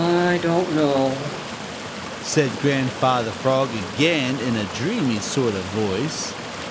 "I don't know," said Grandfather Frog again, in a dreamy sort of voice.